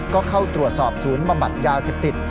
ก็เข้าตรวจสอบศูนย์บำบัดยาเสพติด